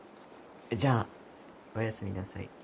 じゃあおやすみなさい。